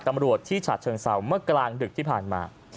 กับตำรวจในฉากเฉิงสาวเมื่อกลางดึกที่ผ่านมา